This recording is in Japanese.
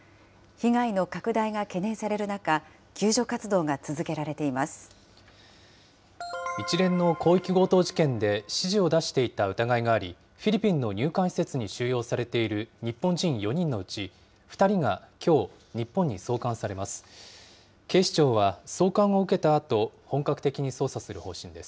被害の拡大が懸念される中、救助一連の広域強盗事件で、指示を出していた疑いがあり、フィリピンの入管施設に収容されている日本人４人のうち、２人がきょう、日本に送還されます。